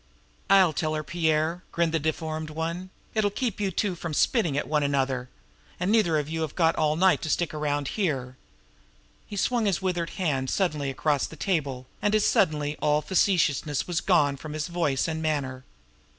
"I'll tell her, Pierre," grinned the deformed one. "It'll keep you two from spitting at one another; and neither of you have got all night to stick around here." He swung his withered hand suddenly across the table, and as suddenly all facetiousness was gone both from his voice and manner.